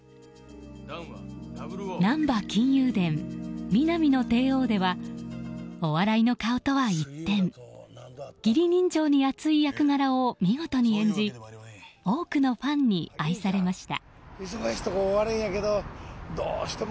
「難波金融伝ミナミの帝王」ではお笑いの顔とは一転義理人情に厚い役柄を見事に演じ、多くのファンに愛されました。